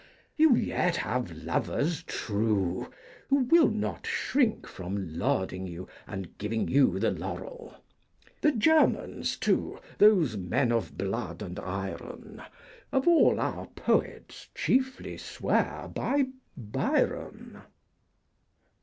You yet have lovers true, who will not shrink From lauding you and giving you the laurel; The Germans too, those men of blood and iron, Of all our poets chiefly swear by Byron.